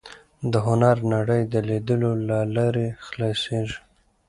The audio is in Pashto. د هنر نړۍ د لیدلو له لارې خلاصېږي